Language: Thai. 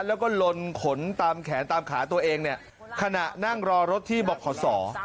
แล้วก็ลนขนตามแขนตามขาตัวเองเนี่ยขณะนั่งรอรถที่บอกขอสอ